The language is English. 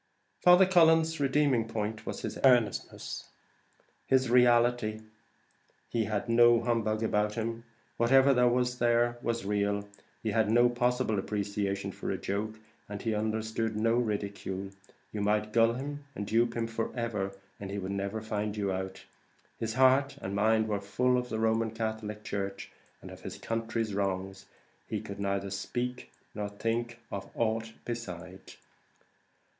Father Cullen's redeeming point was his earnestness, his reality; he had no humbug about him; whatever was there, was real; he had no possible appreciation for a joke, and he understood no ridicule. You might gull him, and dupe him for ever, he would never find you out; his heart and mind were full of the Roman Catholic church and of his country's wrongs; he could neither think nor speak of aught beside.